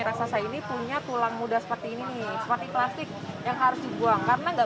raksasa ini punya tulang muda seperti ini nih sepati plastik yang harus dibuang karena nggak